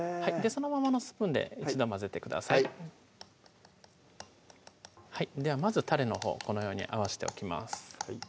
そのままのスプーンで一度混ぜてくださいではまずたれのほうこのように合わしておきます